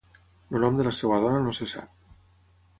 El nom de la seva dona no se sap.